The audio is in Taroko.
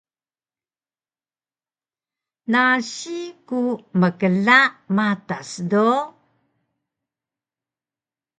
Nasi ku mkla matas do